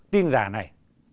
tin giả này